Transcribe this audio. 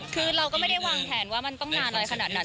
คือเราก็ไม่ได้วางแผนว่ามันต้องนานอะไรขนาดนั้น